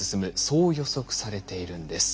そう予測されているんです。